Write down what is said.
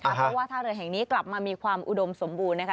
เพราะว่าท่าเรือแห่งนี้กลับมามีความอุดมสมบูรณ์นะคะ